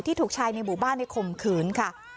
ที่ถูกใช้ในหมู่บ้านในขมขืนค่ะ